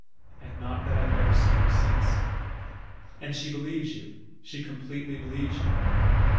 "And not that I've ever seen you since..." "And she believes you she completely believes you?"